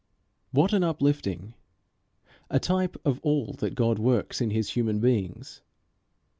What an uplifting! a type of all that God works in his human beings.